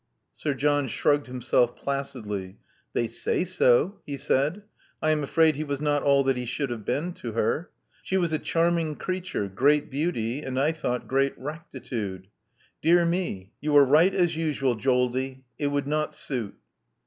Sir John shrugged himself placidly. "They say so," he said. "I am afraid he was not all that he should have been to her. She was a charming creature — great beauty and, I thought, great rectitude. Dear me ! You are right, as usual, Joldie. It would not suit.